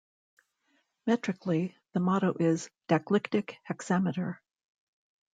Metrically, the motto is dactylic hexameter.